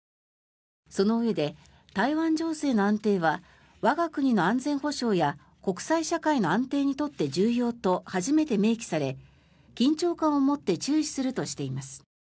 そのうえで、台湾情勢の安定は我が国の安全保障や国際社会の安定にとって重要と初めて明記され緊張感を持って注視するとしています。